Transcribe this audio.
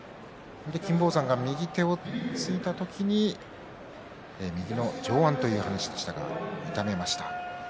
金峰山が右手をついた時に右の上腕という話でしたが痛めました。